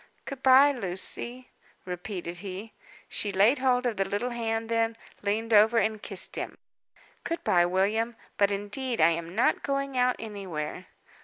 "Good bye, Lucy," repeated he. She laid hold of the little hand then, leaned over, and kissed him. "Good bye, William; but indeed I am not going out anywhere."